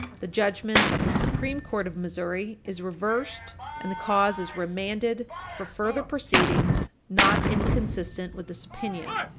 The judgment of the Supreme Court of Missouri is reversed, and the cause is remanded for further proceedings not inconsistent with this opinion.